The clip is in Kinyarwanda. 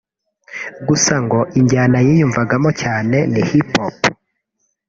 gusa ngo injyana yiyumvagamo cyane ni Hiphop